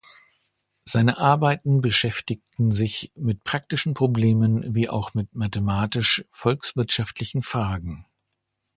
Seine Arbeiten beschäftigten sich mit praktischen Problemen wie auch mit mathematisch volkswirtschaftlichen Fragen.